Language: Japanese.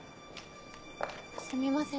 すみません